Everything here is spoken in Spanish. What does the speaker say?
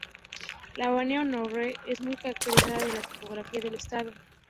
La bahía Narragansett es muy característica de la topografía del Estado.